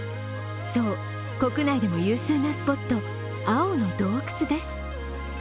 そう、国内でも有数なスポット青の洞窟です。